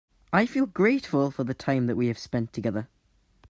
I feel grateful for the time that we have spend together.